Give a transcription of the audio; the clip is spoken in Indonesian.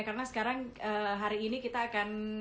karena sekarang hari ini kita akan